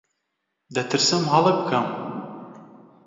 دەترسم هەڵە بکەم.